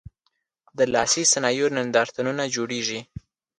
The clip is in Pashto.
د لاسي صنایعو نندارتونونه جوړیږي؟